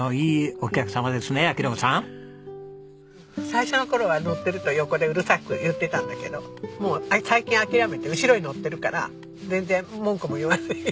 最初の頃は乗ってると横でうるさく言ってたんだけどもう最近諦めて後ろに乗ってるから全然文句も言わない。